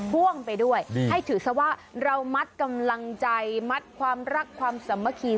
พ่วงไปด้วยให้ถือซะว่าเรามัดกำลังใจมัดความรักความสามัคคี